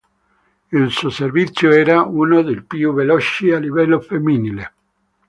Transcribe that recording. Il suo servizio era uno dei più veloci a livello femminile.